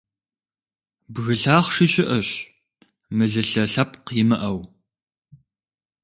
Бгы лъахъши щыӀэщ, мылылъэ лъэпкъ имыӀэу.